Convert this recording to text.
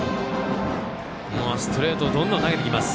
ストレートをどんどん投げてきます。